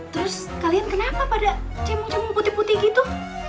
terus kalian kenapa pada cemung cemung putih putih gitu